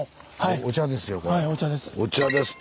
お茶ですか。